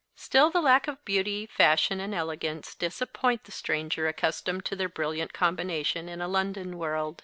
Still the lack of beauty, fashion, and elegance disappoint the stranger accustomed to their brilliant combination in a London world.